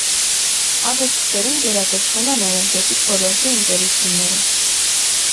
Արժեթղթերում գերակշռում են էներգետիկ ոլորտի ընկերությունները։